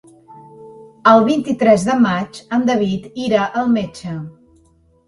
El vint-i-tres de maig en David irà al metge.